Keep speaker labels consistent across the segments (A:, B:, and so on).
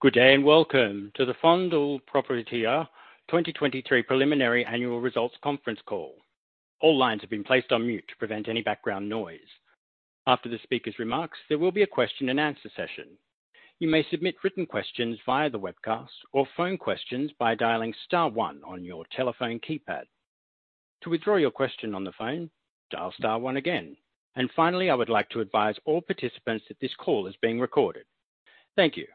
A: Good day and welcome to the Fondul Proprietatea 2023 Preliminary Annual Results Conference call. All lines have been placed on mute to prevent any background noise. After the speaker's remarks, there will be a question-and-answer session. You may submit written questions via the webcast or phone questions by dialing star one on your telephone keypad. To withdraw your question on the phone, dial star one again. Finally, I would like to advise all participants that this call is being recorded. Thank you.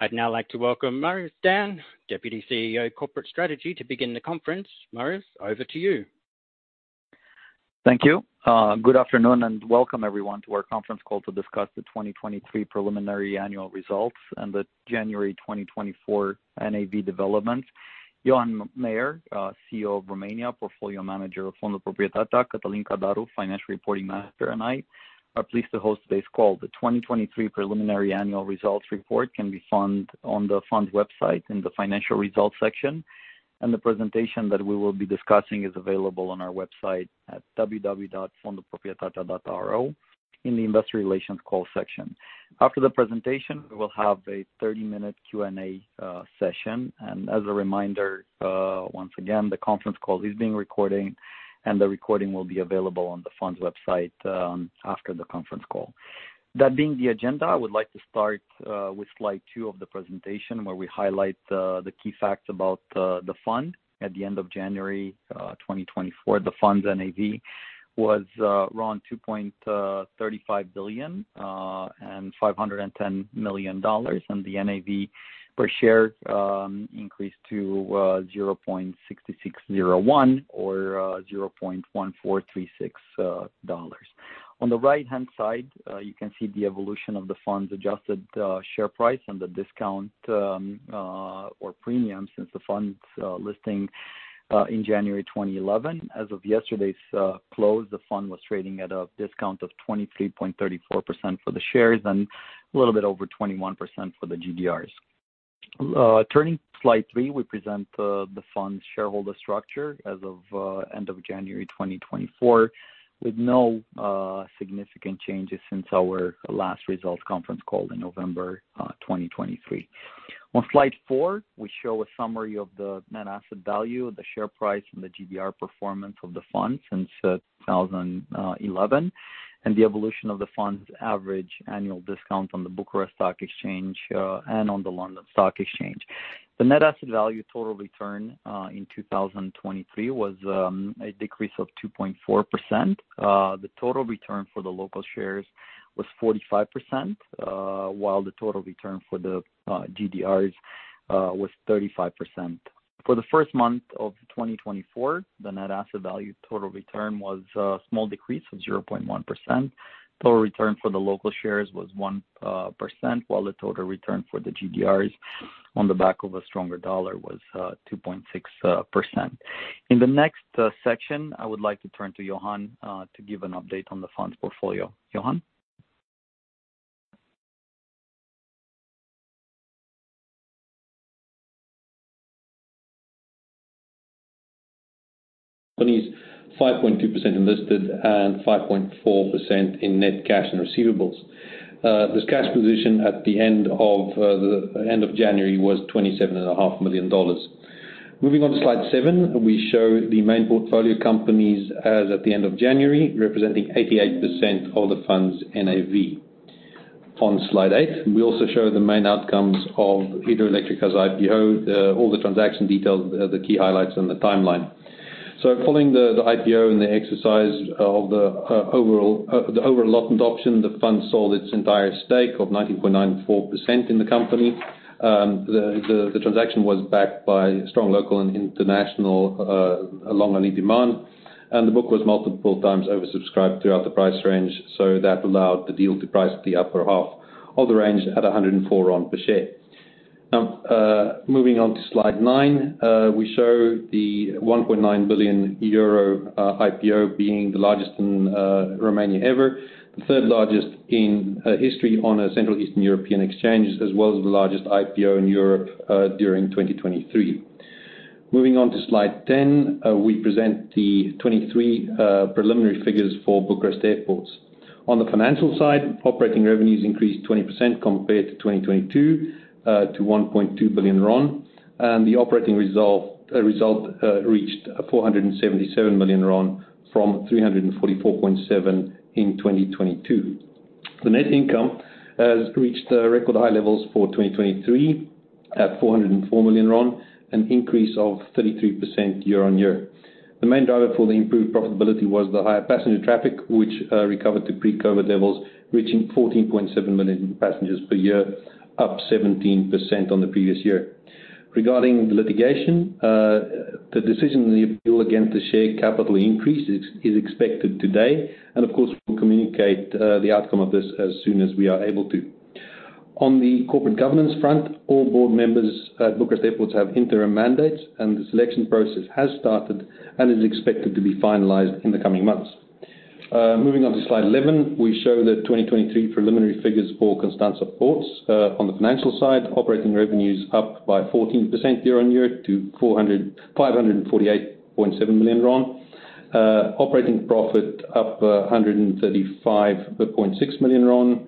A: I'd now like to welcome Marius Dan, Deputy CEO Corporate Strategy, to begin the conference. Marius, over to you.
B: Thank you. Good afternoon and welcome everyone to our conference call to discuss the 2023 Preliminary Annual Results and the January 2024 NAV developments. Johan Meyer, CEO of Franklin Templeton Romania, Portfolio Manager of Fondul Proprietatea, Cătălin Cădaru, Head of Financial Reporting, and I are pleased to host today's call. The 2023 Preliminary Annual Results Report can be found on the fund's website in the Financial Results section, and the presentation that we will be discussing is available on our website at www.fondulproprietatea.ro in the Investor Relations call section. After the presentation, we will have a 30-minute Q&A session. As a reminder, once again, the conference call is being recorded, and the recording will be available on the fund's website after the conference call. That being the agenda, I would like to start with slide two of the presentation where we highlight the key facts about the fund. At the end of January 2024, the fund's NAV was around $2.35 billion and $510 million, and the NAV per share increased to $0.6601 or $0.1436. On the right-hand side, you can see the evolution of the fund's adjusted share price and the discount or premium since the fund's listing in January 2011. As of yesterday's close, the fund was trading at a discount of 23.34% for the shares and a little bit over 21% for the GDRs. Turning to slide three, we present the fund's shareholder structure as of end of January 2024 with no significant changes since our last results conference call in November 2023. On slide four, we show a summary of the net asset value, the share price, and the GDR performance of the fund since 2011, and the evolution of the fund's average annual discount on the Bucharest Stock Exchange and on the London Stock Exchange. The net asset value total return in 2023 was a decrease of 2.4%. The total return for the local shares was 45%, while the total return for the GDRs was 35%. For the first month of 2024, the net asset value total return was a small decrease of 0.1%. Total return for the local shares was 1%, while the total return for the GDRs on the back of a stronger dollar was 2.6%. In the next section, I would like to turn to Johan to give an update on the fund's portfolio. Johan?
C: Then it's 5.2% in listed and 5.4% in net cash and receivables. Its cash position at the end of January was $27.5 million. Moving on to slide seven, we show the main portfolio companies as at the end of January, representing 88% of the fund's NAV. On slide eight, we also show the main outcomes of Hidroelectrica's IPO, all the transaction details, the key highlights, and the timeline. So following the IPO and the exercise of the overall lot and option, the fund sold its entire stake of 19.94% in the company. The transaction was backed by strong local and international long-only demand, and the book was multiple times oversubscribed throughout the price range, so that allowed the deal to price at the upper half of the range at RON 104 per share. Now, moving on to slide nine, we show the RON 1.9 billion IPO being the largest in Romania ever, the third largest in history on a Central Eastern European exchange, as well as the largest IPO in Europe during 2023. Moving on to slide 10, we present the 2023 preliminary figures for Bucharest Airports. On the financial side, operating revenues increased 20% compared to 2022 to RON 1.2 billion, and the operating result reached RON 477 million from RON 344.7 million in 2022. The net income has reached record high levels for 2023 at RON 404 million, an increase of 33% year-on-year. The main driver for the improved profitability was the higher passenger traffic, which recovered to pre-COVID levels, reaching 14.7 million passengers per year, up 17% on the previous year. Regarding the litigation, the decision in the appeal against the share capital increase is expected today, and of course, we'll communicate the outcome of this as soon as we are able to. On the corporate governance front, all board members at Bucharest Airports have interim mandates, and the selection process has started and is expected to be finalized in the coming months. Moving on to slide 11, we show the 2023 preliminary figures for Constanța Port. On the financial side, operating revenues up by 14% year-over-year to RON 548.7 million, operating profit up RON 135.6 million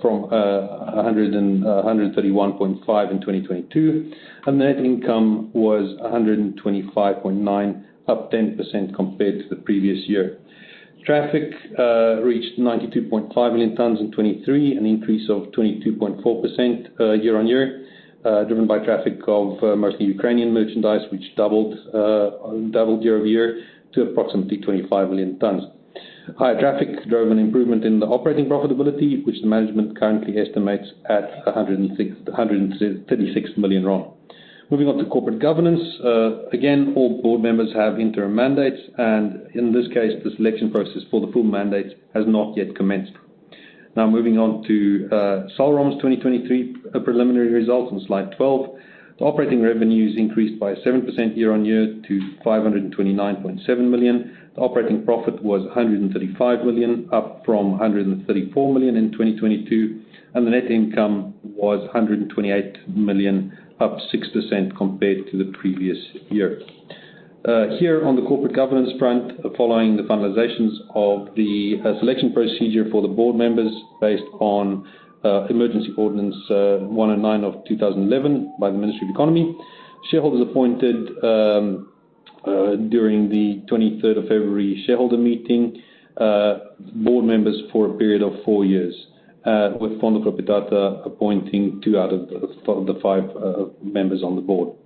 C: from RON 131.5 million in 2022, and the net income was RON 125.9 million, up 10% compared to the previous year. Traffic reached 92.5 million tons in 2023, an increase of 22.4% year-over-year, driven by traffic of mostly Ukrainian merchandise, which doubled year-over-year to approximately 25 million tons. Higher traffic drove an improvement in the operating profitability, which the management currently estimates at RON 136 million. Moving on to corporate governance, again, all board members have interim mandates, and in this case, the selection process for the full mandates has not yet commenced. Now, moving on to Salrom's 2023 preliminary results on slide 12, the operating revenues increased by 7% year-on-year to RON 529.7 million. The operating profit was RON 135 million, up from RON 134 million in 2022, and the net income was RON 128 million, up 6% compared to the previous year. Here on the corporate governance front, following the finalizations of the selection procedure for the board members based on Emergency Ordinance 109 of 2011 by the Ministry of Economy, shareholders appointed during the 23rd February shareholder meeting board members for a period of four years, with Fondul Proprietatea appointing two out of the five members on the board.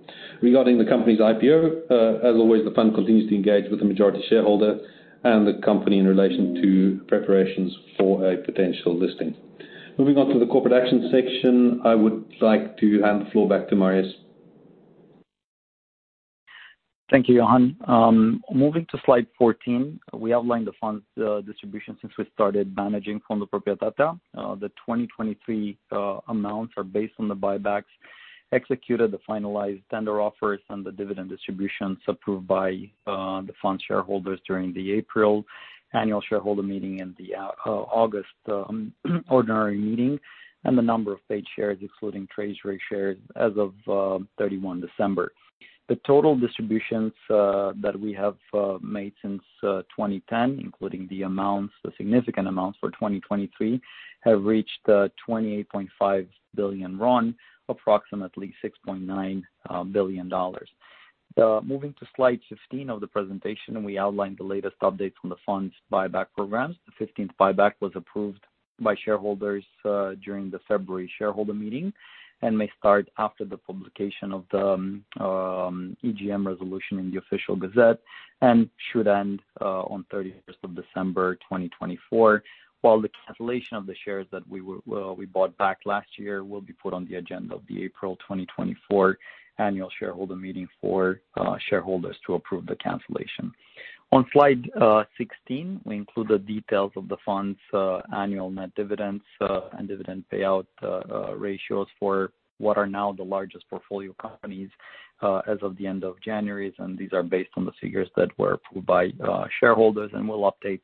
C: Regarding the company's IPO, as always, the fund continues to engage with the majority shareholder and the company in relation to preparations for a potential listing. Moving on to the corporate action section, I would like to hand the floor back to Marius.
B: Thank you, Johan. Moving to slide 14, we outline the fund's distribution since we started managing Fondul Proprietatea. The 2023 amounts are based on the buybacks executed, the finalized tender offers, and the dividend distributions approved by the fund's shareholders during the April annual shareholder meeting and the August ordinary meeting, and the number of paid shares including treasury shares as of 31 December. The total distributions that we have made since 2010, including the significant amounts for 2023, have reached RON 28.5 billion, approximately $6.9 billion. Moving to slide 15 of the presentation, we outline the latest updates on the fund's buyback programs. The 15th buyback was approved by shareholders during the February shareholder meeting and may start after the publication of the EGM resolution in the Official Gazette and should end on 31st of December 2024, while the cancellation of the shares that we bought back last year will be put on the agenda of the April 2024 annual shareholder meeting for shareholders to approve the cancellation. On slide 16, we include the details of the fund's annual net dividends and dividend payout ratios for what are now the largest portfolio companies as of the end of January, and these are based on the figures that were approved by shareholders, and we'll update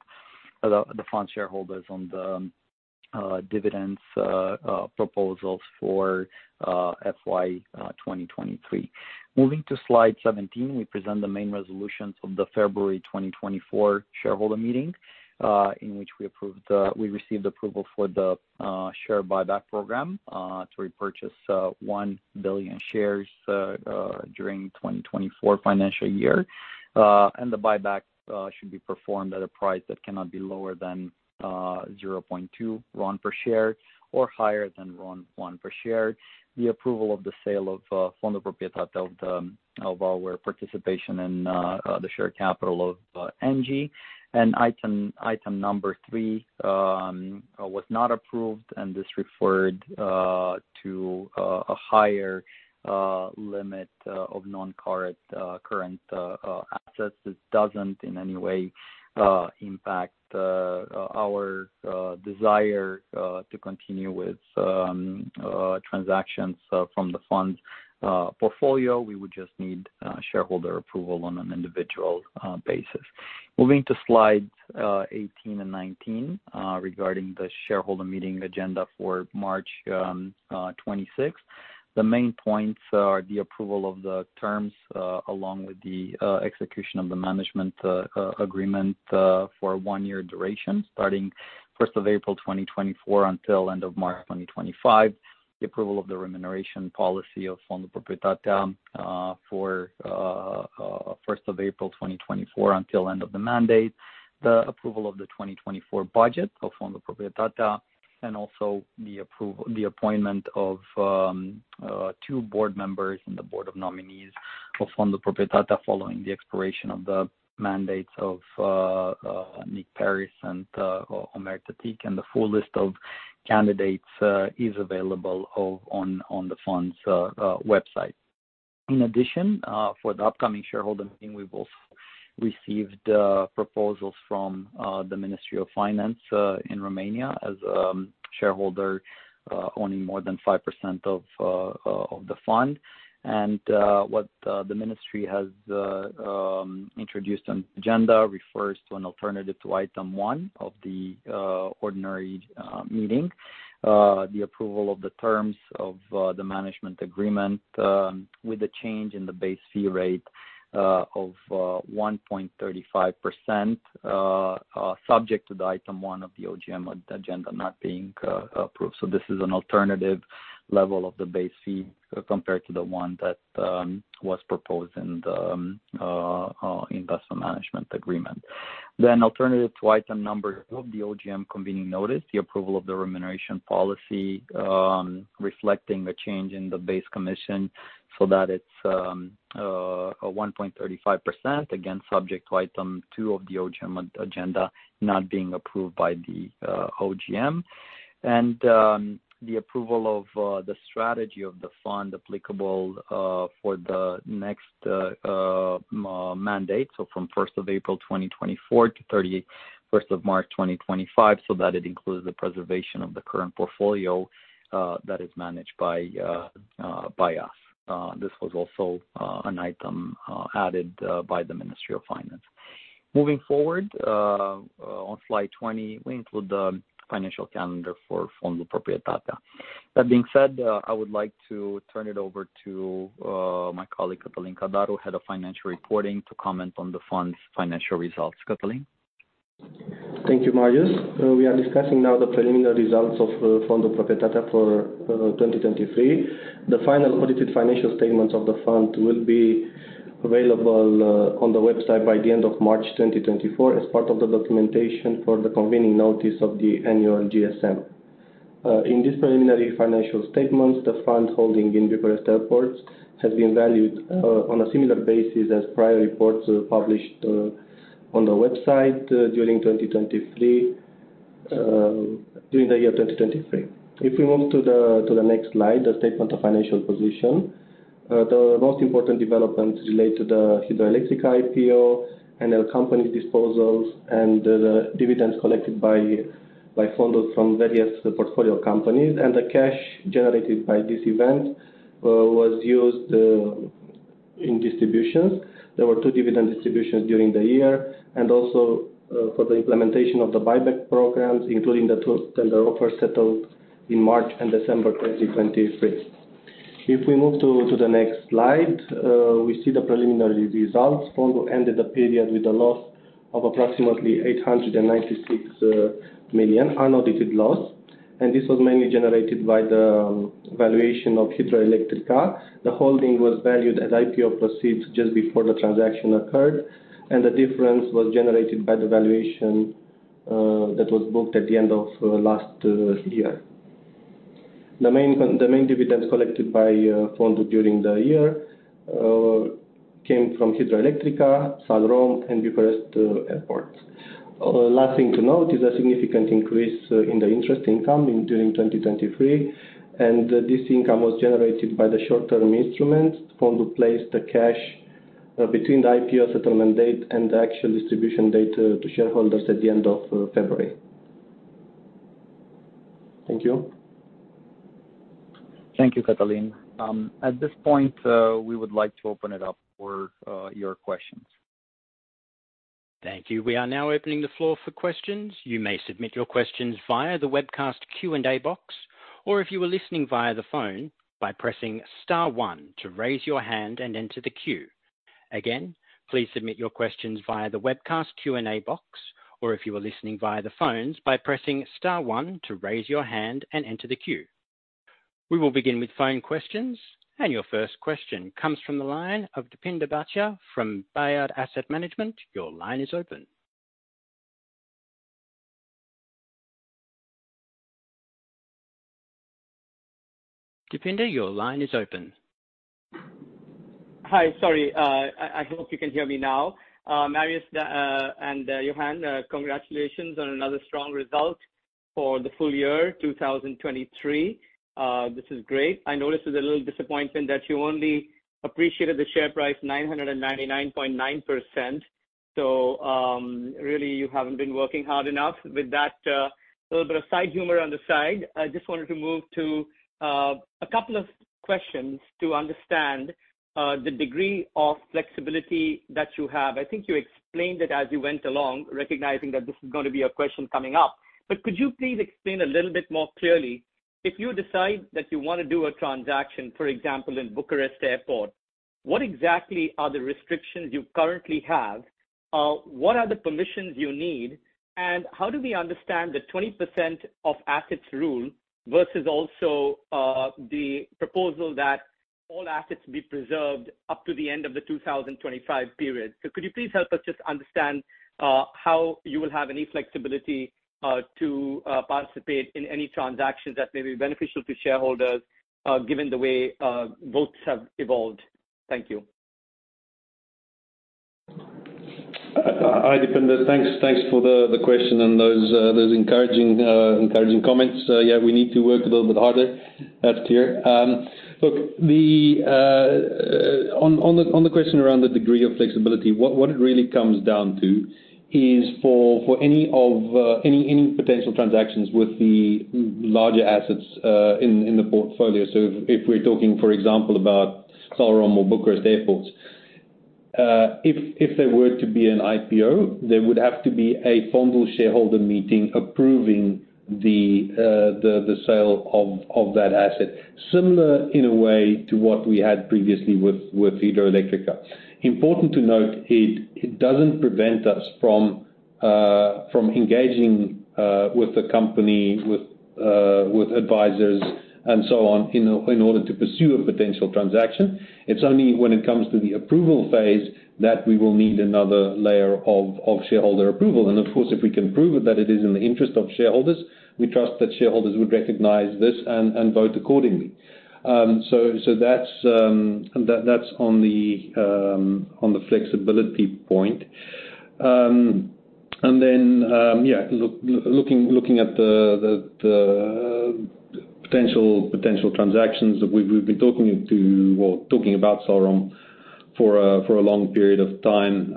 B: the fund's shareholders on the dividends proposals for FY 2023. Moving to slide 17, we present the main resolutions of the February 2024 shareholder meeting in which we received approval for the share buyback program to repurchase RON 1 billion. Shares during the 2024 financial year, and the buyback should be performed at a price that cannot be lower than RON 0.2 per share or higher than RON 1 per share. The approval of the sale of Fondul Proprietatea of our participation in the share capital of Engie and item number three was not approved, and this referred to a higher limit of non-current assets. This doesn't in any way impact our desire to continue with transactions from the fund's portfolio. We would just need shareholder approval on an individual basis. Moving to slides 18 and 19 regarding the shareholder meeting agenda for March 26th, the main points are the approval of the terms along with the execution of the management agreement for one-year duration starting 1st of April 2024 until end of March 2025, the approval of the remuneration policy of Fondul Proprietatea for 1st of April 2024 until end of the mandate, the approval of the 2024 Budget of Fondul Proprietatea, and also the appointment of two board members and the board of nominees of Fondul Proprietatea following the expiration of the mandates of Nick Paris and Ömer Tetik. The full list of candidates is available on the fund's website. In addition, for the upcoming shareholder meeting, we've also received proposals Ministry of Finance in Romania as a shareholder owning more than 5% of the fund. What the ministry has introduced on the agenda refers to an alternative to item one of the ordinary meeting, the approval of the terms of the management agreement with a change in the base fee rate of 1.35% subject to the item one of the OGM agenda not being approved. This is an alternative level of the base fee compared to the one that was proposed in the investment management agreement. Alternative to item number two of the OGM convening notice, the approval of the remuneration policy reflecting a change in the base commission so that it's 1.35%, again, subject to item two of the OGM agenda not being approved by the OGM. And the approval of the strategy of the fund applicable for the next mandate, so from 1st of April 2024 to 31st of March 2025, so that it includes the preservation of the current portfolio that is managed by us. This was also an item added Ministry of Finance. moving forward, on slide 20, we include the financial calendar for Fondul Proprietatea. That being said, I would like to turn it over to my colleague Cătălin Cadaru, head of financial reporting, to comment on the fund's financial results. Cătălin?
D: Thank you, Marius. We are discussing now the preliminary results of Fondul Proprietatea for 2023. The final audited financial statements of the fund will be available on the website by the end of March 2024 as part of the documentation for the convening notice of the annual GSM. In these preliminary financial statements, the fund holding in Bucharest Airports has been valued on a similar basis as prior reports published on the website during the year 2023. If we move to the next slide, the statement of financial position, the most important developments relate to the Hidroelectrica IPO, Enel companies' disposals, and the dividends collected by funds from various portfolio companies. The cash generated by this event was used in distributions. There were two dividend distributions during the year and also for the implementation of the buyback programs, including the tender offers settled in March and December 2023. If we move to the next slide, we see the preliminary results. Fondul ended the period with a loss of approximately RON 896 million, unaudited loss, and this was mainly generated by the valuation of Hidroelectrica. The holding was valued as IPO proceeds just before the transaction occurred, and the difference was generated by the valuation that was booked at the end of last year. The main dividends collected by Fondul during the year came from Hidroelectrica, Salrom, and Bucharest Airports. Last thing to note is a significant increase in the interest income during 2023, and this income was generated by the short-term instruments. Fondul placed the cash between the IPO settlement date and the actual distribution date to shareholders at the end of February. Thank you.
B: Thank you, Cătălin. At this point, we would like to open it up for your questions.
A: Thank you. We are now opening the floor for questions. You may submit your questions via the webcast Q&A box, or if you were listening via the phone, by pressing star one to raise your hand and enter the queue. Again, please submit your questions via the webcast Q&A box, or if you were listening via the phones, by pressing star one to raise your hand and enter the queue. We will begin with phone questions, and your first question comes from the line of Deepinder Bhatia from Bayard Asset Management. Your line is open. Deepinder, your line is open.
E: Hi. Sorry. I hope you can hear me now. Marius and Johan, congratulations on another strong result for the full year 2023. This is great. I noticed with a little disappointment that you only appreciated the share price 999.9%. So really, you haven't been working hard enough. With that little bit of side humor on the side, I just wanted to move to a couple of questions to understand the degree of flexibility that you have. I think you explained it as you went along, recognizing that this is going to be a question coming up. But could you please explain a little bit more clearly? If you decide that you want to do a transaction, for example, in Bucharest Airports, what exactly are the restrictions you currently have? What are the permissions you need? How do we understand the 20% of assets rule versus also the proposal that all assets be preserved up to the end of the 2025 period? Could you please help us just understand how you will have any flexibility to participate in any transactions that may be beneficial to shareholders given the way votes have evolved? Thank you.
C: Hi, Deepinder. Thanks for the question and those encouraging comments. Yeah, we need to work a little bit harder. That's clear. Look, on the question around the degree of flexibility, what it really comes down to is for any potential transactions with the larger assets in the portfolio. So if we're talking, for example, about Salrom or Bucharest Airports, if there were to be an IPO, there would have to be a Fondul shareholder meeting approving the sale of that asset, similar in a way to what we had previously with Hidroelectrica. Important to note, it doesn't prevent us from engaging with the company, with advisors, and so on in order to pursue a potential transaction. It's only when it comes to the approval phase that we will need another layer of shareholder approval. Of course, if we can prove that it is in the interest of shareholders, we trust that shareholders would recognize this and vote accordingly. So that's on the flexibility point. And then, yeah, looking at the potential transactions that we've been talking about Salrom for a long period of time,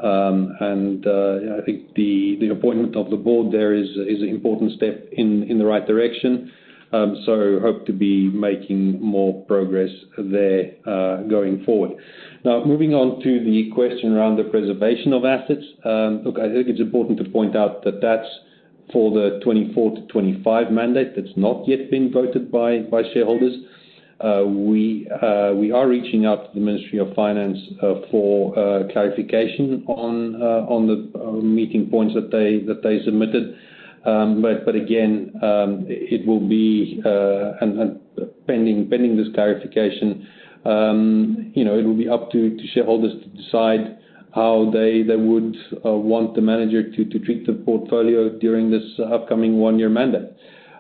C: and I think the appointment of the board there is an important step in the right direction. So hope to be making more progress there going forward. Now, moving on to the question around the preservation of assets. Look, I think it's important to point out that that's for the 2024 to 2025 mandate that's not yet been voted by shareholders. We are reaching out Ministry of Finance for clarification on the meeting points that they submitted. But again, it will be pending this clarification. It will be up to shareholders to decide how they would want the manager to treat the portfolio during this upcoming one-year mandate.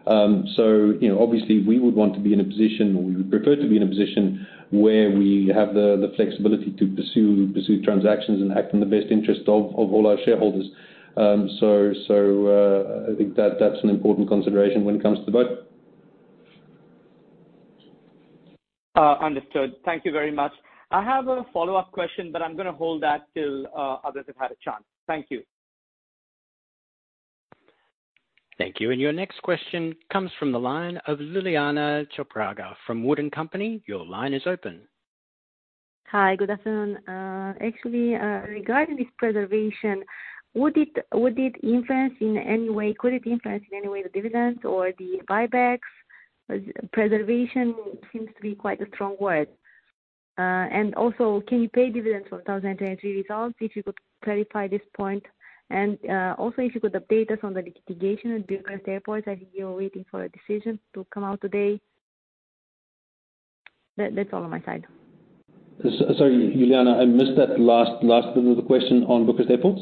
C: Obviously, we would want to be in a position or we would prefer to be in a position where we have the flexibility to pursue transactions and act in the best interest of all our shareholders. I think that's an important consideration when it comes to the vote.
E: Understood. Thank you very much. I have a follow-up question, but I'm going to hold that till others have had a chance. Thank you.
A: Thank you. Your next question comes from the line of Iuliana Ciopraga from WOOD & Company. Your line is open.
F: Hi. Good afternoon. Actually, regarding this preservation, would it influence in any way the dividends or the buybacks? Preservation seems to be quite a strong word. And also, can you pay dividends from 2023 results if you could clarify this point? And also, if you could update us on the litigation at Bucharest Airports, I think you're waiting for a decision to come out today. That's all on my side.
C: Sorry, Iuliana, I missed that last bit of the question on Bucharest Airports.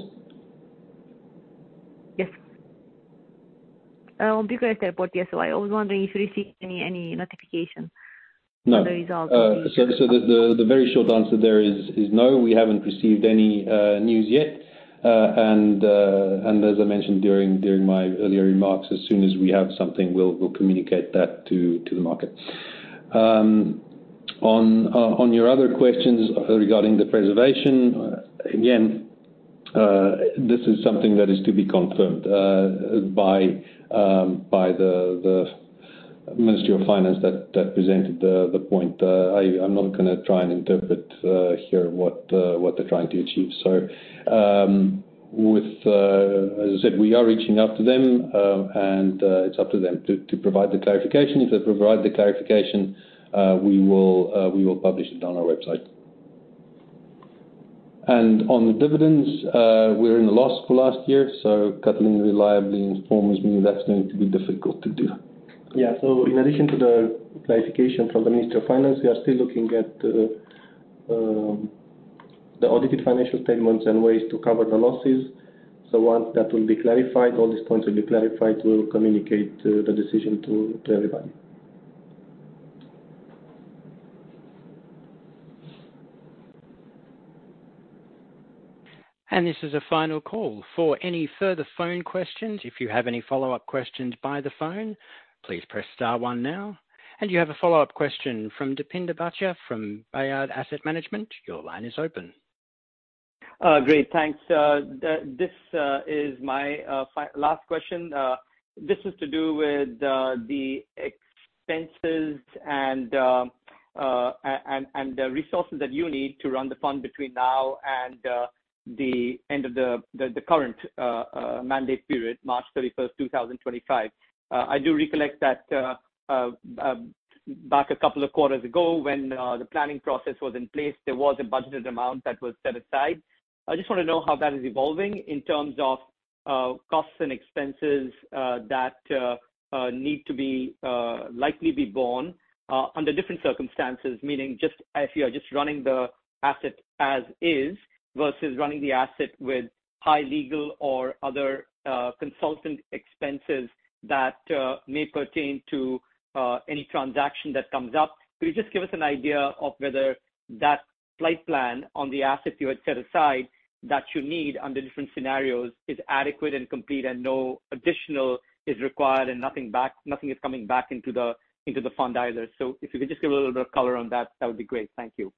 F: Yes. On Bucharest Airports, yes. So I was wondering if you received any notification on the results.
C: No. So the very short answer there is no. We haven't received any news yet. As I mentioned during my earlier remarks, as soon as we have something, we'll communicate that to the market. On your other questions regarding the preservation, again, this is something that is to be confirmed Ministry of Finance that presented the point. I'm not going to try and interpret here what they're trying to achieve. As I said, we are reaching out to them, and it's up to them to provide the clarification. If they provide the clarification, we will publish it on our website. On the dividends, we're in the loss for last year. Cătălin reliably informs me that's going to be difficult to do.
D: Yeah. So in addition to the clarification Ministry of Finance, we are still looking at the audited financial statements and ways to cover the losses. So once that will be clarified, all these points will be clarified, we will communicate the decision to everybody.
A: This is a final call. For any further phone questions, if you have any follow-up questions by the phone, please press star one now. You have a follow-up question from Deepinder Bhatia from Bayard Asset Management. Your line is open.
E: Great. Thanks. This is my last question. This is to do with the expenses and the resources that you need to run the fund between now and the end of the current mandate period, March 31st, 2025. I do recollect that back a couple of quarters ago when the planning process was in place, there was a budgeted amount that was set aside. I just want to know how that is evolving in terms of costs and expenses that need to likely be borne under different circumstances, meaning if you are just running the asset as is versus running the asset with high legal or other consultant expenses that may pertain to any transaction that comes up. Could you just give us an idea of whether that flight plan on the asset you had set aside that you need under different scenarios is adequate and complete and no additional is required and nothing is coming back into the fund either? If you could just give a little bit of color on that, that would be great. Thank you.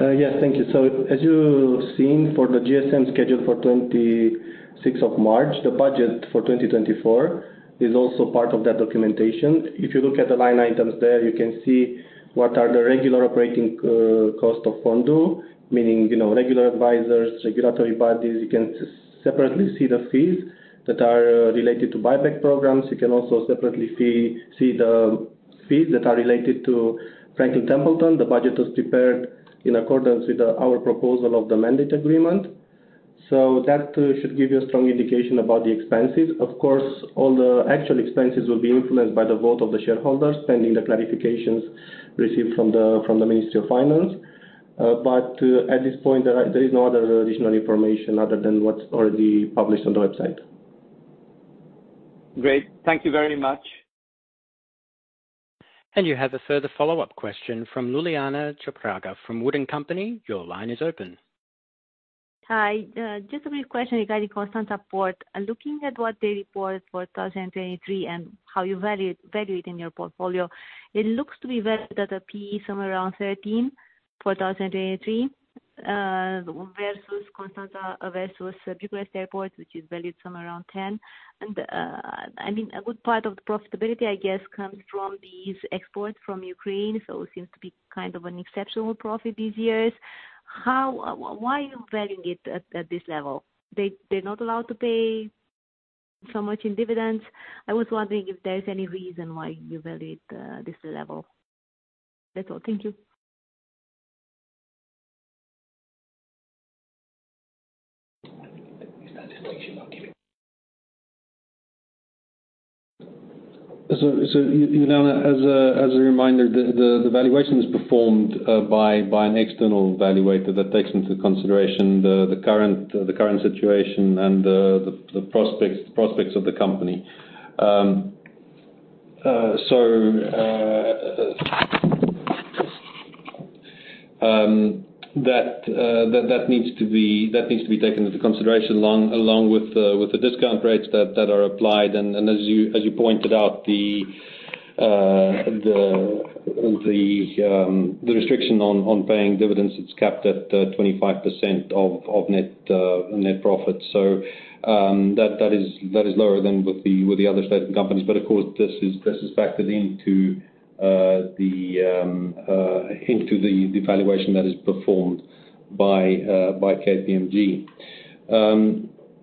D: Yes. Thank you. So as you've seen for the GSM schedule for 26 of March, the budget for 2024 is also part of that documentation. If you look at the line items there, you can see what are the regular operating costs of Fondul, meaning regular advisors, regulatory bodies. You can separately see the fees that are related to buyback programs. You can also separately see the fees that are related to Franklin Templeton. The budget was prepared in accordance with our proposal of the mandate agreement. So that should give you a strong indication about the expenses. Of course, all the actual expenses will be influenced by the vote of the shareholders pending the clarifications received Ministry of Finance. but at this point, there is no other additional information other than what's already published on the website.
E: Great. Thank you very much.
A: You have a further follow-up question from Iuliana Ciopraga from WOOD & Company. Your line is open.
F: Hi. Just a brief question regarding Constanța Port. Looking at what they report for 2023 and how you value it in your portfolio, it looks to be valued at a PE somewhere around 13 for 2023 versus Bucharest Airports, which is valued somewhere around 10. And I mean, a good part of the profitability, I guess, comes from these exports from Ukraine, so it seems to be kind of an exceptional profit these years. Why are you valuing it at this level? They're not allowed to pay so much in dividends. I was wondering if there's any reason why you value it at this level. That's all. Thank you.
C: So Iuliana, as a reminder, the valuation is performed by an external valuator that takes into consideration the current situation and the prospects of the company. So that needs to be taken into consideration along with the discount rates that are applied. And as you pointed out, the restriction on paying dividends, it's capped at 25% of net profit. So that is lower than with the other state companies. But of course, this is factored into the valuation that is performed by KPMG.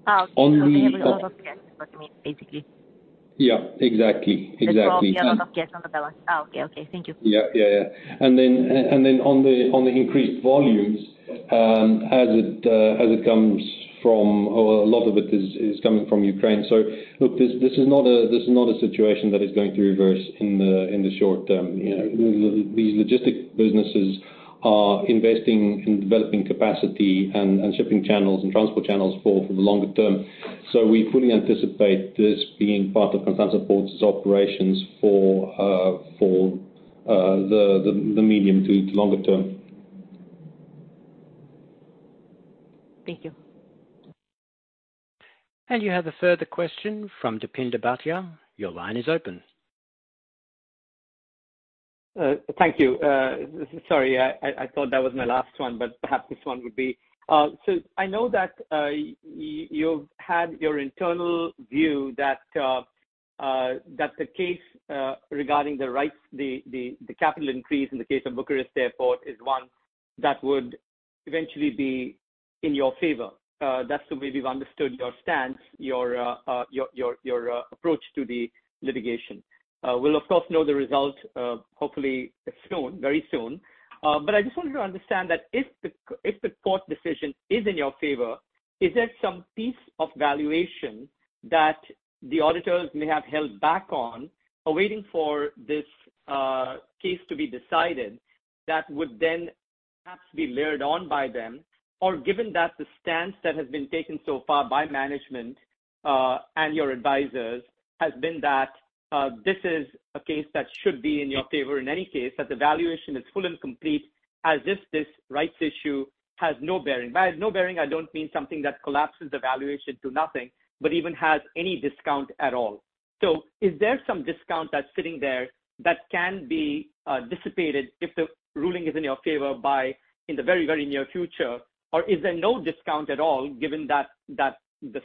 F: Oh, so only a lot of cash, basically. Yeah. Exactly. Exactly. There's only a lot of cash on the balance. Oh, okay. Okay. Thank you.
C: Yeah. Yeah. Yeah. And then on the increased volumes, as it comes from a lot of it is coming from Ukraine. So look, this is not a situation that is going to reverse in the short term. These logistics businesses are investing in developing capacity and shipping channels and transport channels for the longer term. So we fully anticipate this being part of Constanța Port's operations for the medium to longer term.
F: Thank you.
A: You have a further question from Deepinder Bhatia. Your line is open.
E: Thank you. Sorry, I thought that was my last one, but perhaps this one would be. So I know that you've had your internal view that the case regarding the capital increase in the case of Bucharest Airport is one that would eventually be in your favor. That's the way we've understood your stance, your approach to the litigation. We'll, of course, know the result hopefully very soon. But I just wanted to understand that if the court decision is in your favor, is there some piece of valuation that the auditors may have held back on awaiting for this case to be decided that would then perhaps be layered on by them? Or, given that the stance that has been taken so far by management and your advisors has been that this is a case that should be in your favor in any case, that the valuation is full and complete as if this rights issue has no bearing, or no bearing, I don't mean something that collapses the valuation to nothing, but even has any discount at all. So, is there some discount that's sitting there that can be dissipated if the ruling is in your favor in the very, very near future? Or is there no discount at all given the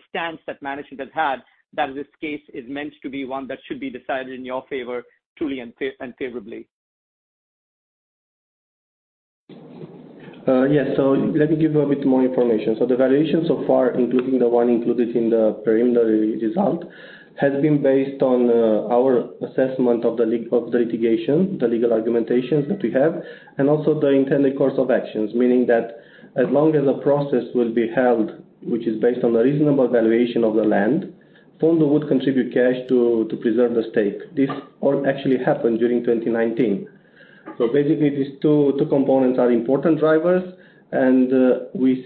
E: stance that management has had that this case is meant to be one that should be decided in your favor truly and favorably?
D: Yes. So let me give a bit more information. So the valuation so far, including the one included in the preliminary result, has been based on our assessment of the litigation, the legal argumentations that we have, and also the intended course of actions, meaning that as long as a process will be held which is based on a reasonable valuation of the land, Fondul would contribute cash to preserve the stake. This all actually happened during 2019. So basically, these two components are important drivers, and we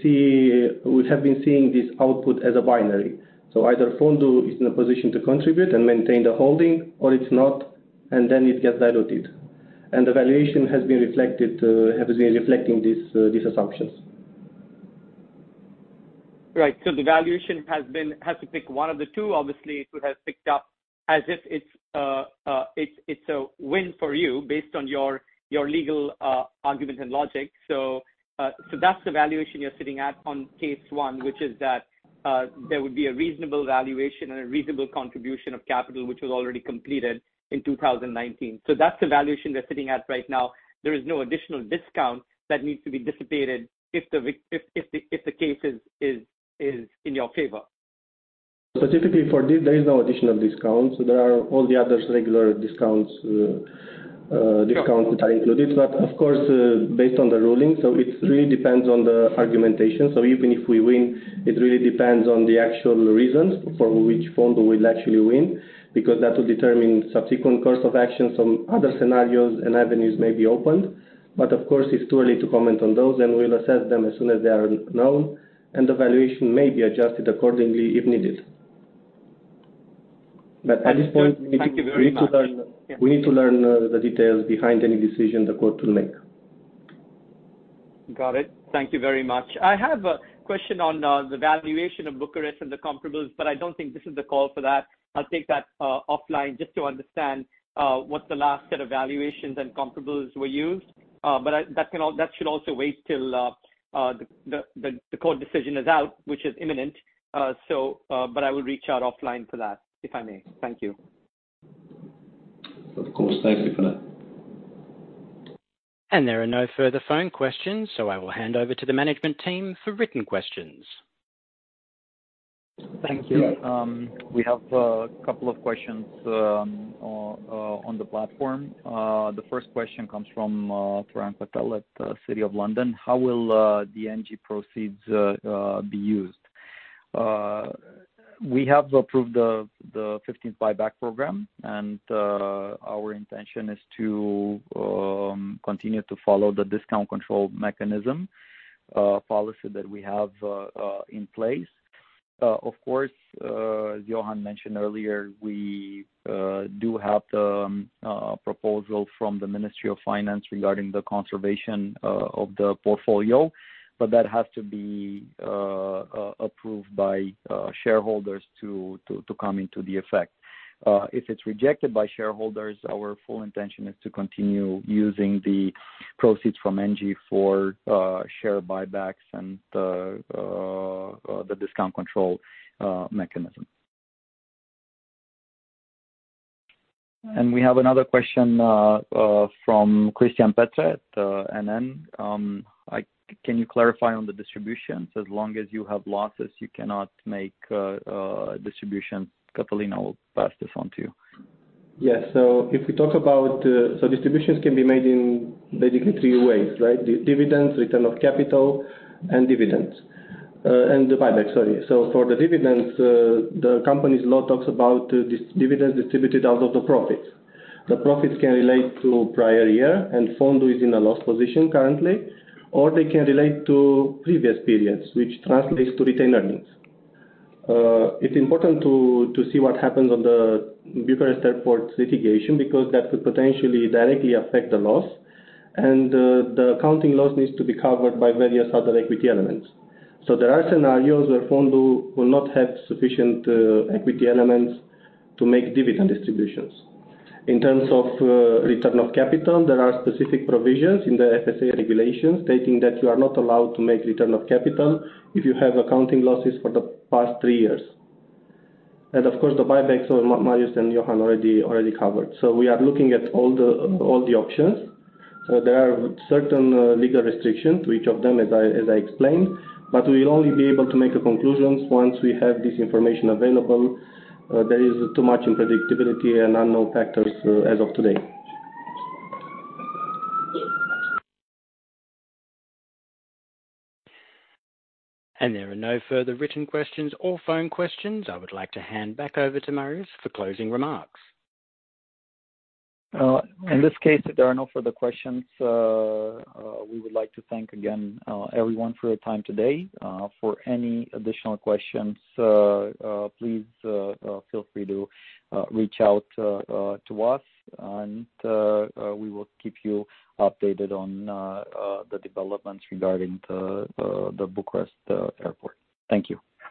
D: have been seeing this output as a binary. So either Fondul is in a position to contribute and maintain the holding, or it's not, and then it gets diluted. And the valuation has been reflecting these assumptions.
E: Right. So the valuation has to pick one of the two. Obviously, it would have picked up as if it's a win for you based on your legal argument and logic. So that's the valuation you're sitting at on case one, which is that there would be a reasonable valuation and a reasonable contribution of capital which was already completed in 2019. So that's the valuation we're sitting at right now. There is no additional discount that needs to be dissipated if the case is in your favor.
D: Specifically for this, there is no additional discount. So there are all the other regular discounts that are included. But of course, based on the ruling, so it really depends on the argumentation. So even if we win, it really depends on the actual reasons for which Fondul will actually win because that will determine subsequent course of action. So other scenarios and avenues may be opened. But of course, it's too early to comment on those, and we'll assess them as soon as they are known. And the valuation may be adjusted accordingly if needed. But at this point, we need to learn the details behind any decision the court will make.
E: Got it. Thank you very much. I have a question on the valuation of Bucharest and the comparables, but I don't think this is the call for that. I'll take that offline just to understand what the last set of valuations and comparables were used. That should also wait till the court decision is out, which is imminent. I will reach out offline for that if I may. Thank you.
C: Of course. Thank you for that.
A: There are no further phone questions, so I will hand over to the management team for written questions.
B: Thank you. We have a couple of questions on the platform. The first question comes from Florian Mayerhofer at the City of London. How will the Engie proceeds be used? We have approved the 15th buyback program, and our intention is to continue to follow the discount control mechanism policy that we have in place. Of course, as Johan mentioned earlier, we do have the proposal Ministry of Finance regarding the conservation of the portfolio, but that has to be approved by shareholders to come into effect. If it's rejected by shareholders, our full intention is to continue using the proceeds from Engie for share buybacks and the discount control mechanism. We have another question from Cristian Petre at NN. Can you clarify on the distributions? As long as you have losses, you cannot make distributions. Cătălin, I will pass this on to you.
D: Yes. So if we talk about so distributions can be made in basically three ways, right? Dividends, return of capital, and dividends. And the buyback, sorry. So for the dividends, the company's law talks about dividends distributed out of the profits. The profits can relate to prior year, and Fondul is in a loss position currently, or they can relate to previous periods, which translates to retained earnings. It's important to see what happens on the Bucharest Airports litigation because that could potentially directly affect the loss, and the accounting loss needs to be covered by various other equity elements. So there are scenarios where Fondul will not have sufficient equity elements to make dividend distributions. In terms of return of capital, there are specific provisions in the FSA regulations stating that you are not allowed to make return of capital if you have accounting losses for the past three years. Of course, the buybacks are what Marius and Johan already covered. We are looking at all the options. There are certain legal restrictions to each of them, as I explained, but we will only be able to make conclusions once we have this information available. There is too much unpredictability and unknown factors as of today.
A: There are no further written questions or phone questions. I would like to hand back over to Marius for closing remarks.
B: In this case, if there are no further questions, we would like to thank again everyone for your time today. For any additional questions, please feel free to reach out to us, and we will keep you updated on the developments regarding the Bucharest Airport. Thank you.